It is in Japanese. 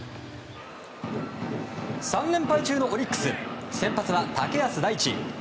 ３連敗中のオリックス先発は竹安大知。